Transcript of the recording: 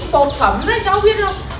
bột phẩm đấy cháu biết đâu